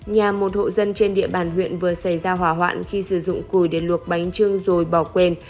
nhà một hộ dân trên địa bàn huyện vừa xảy ra hỏa hoạn khi sử dụng cùi để luộc bánh trưng rồi bỏ quên